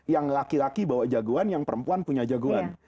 yang laki laki bawa jagoan yang perempuan punya jagoan